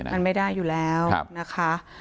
มันไม่ได้อยู่แล้วนะคะ